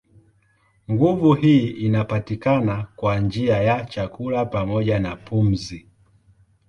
Nguvu hii inapatikana kwa njia ya chakula pamoja na pumzi.